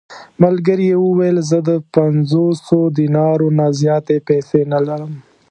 ملګري یې وویل: زه د پنځوسو دینارو نه زیاتې پېسې نه لرم.